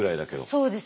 そうですね。